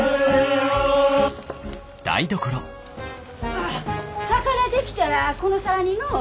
あ魚出来たらこの皿にのう。